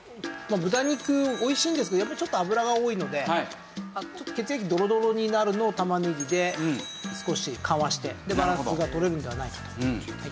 豚肉おいしいんですけどやっぱりちょっと脂が多いので血液ドロドロになるのを玉ねぎで少し緩和してでバランスがとれるんではないかと。